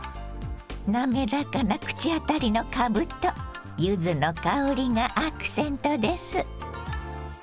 滑らかな口当たりのかぶと柚子の香りがアクセントです。